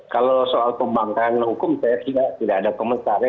kalau soal pembangkangan hukum saya tidak ada komentar